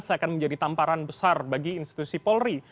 seakan menjadi tamparan besar bagi institusi polri